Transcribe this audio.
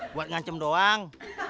buat ngancem doang